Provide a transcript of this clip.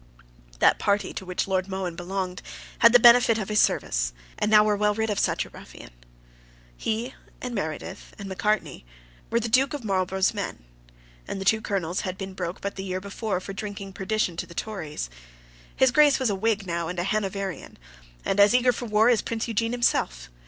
That party to which Lord Mohun belonged had the benefit of his service, and now were well rid of such a ruffian. He, and Meredith, and Macartney, were the Duke of Marlborough's men; and the two colonels had been broke but the year before for drinking perdition to the Tories. His Grace was a Whig now and a Hanoverian, and as eager for war as Prince Eugene himself.